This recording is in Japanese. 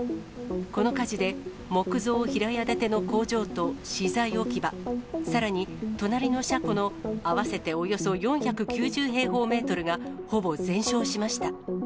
この火事で、木造平屋建ての工場と資材置き場、さらに隣の車庫の合わせておよそ４９０平方メートルがほぼ全焼しました。